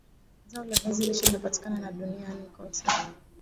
zao la viazi lishe linapatika na duniani kote